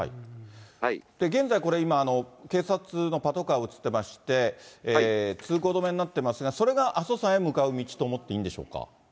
現在、これ今、警察のパトカー映ってまして、通行止めになっていますが、それが阿蘇山へ向かう道と思っていいんでしょうか。